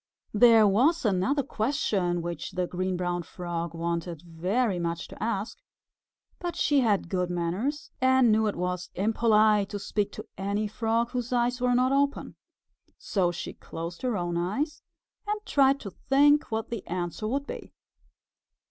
There was another question which the Green Brown Frog wanted very much to ask, but she had good manners and knew that it was impolite to speak to any Frog whose eyes were not open. So she closed her own eyes and tried to think what the answer would be.